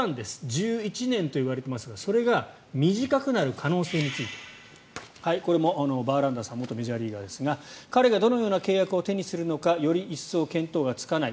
１１年といわれていますがそれが短くなる可能性についてこれもバーランダーさん元メジャーリーガーですが彼がどのような契約を手にするのかより一層見当がつかない。